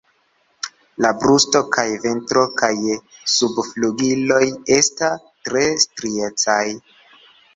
La brusto kaj ventro kaj subflugiloj esta tre striecaj.